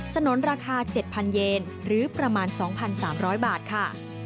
ถนนราคา๗๐๐เยนหรือประมาณ๒๓๐๐บาทค่ะ